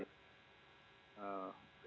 yang menilai suatu bangsa